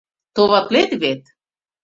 Товатлет вет?